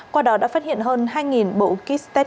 qua đó đã phát hiện hơn hai bộ kit test